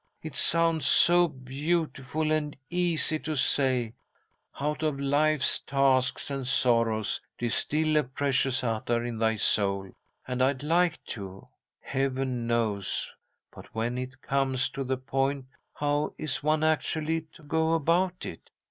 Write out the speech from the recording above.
It sounds so beautiful and easy to say, 'Out of life's tasks and sorrows distil a precious attar in thy soul,' and I'd like to, heaven knows, but, when it comes to the point, how is one actually to go about it?